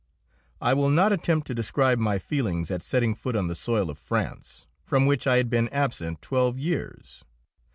I will not attempt to describe my feelings at setting foot on the soil of France, from which I had been absent twelve years.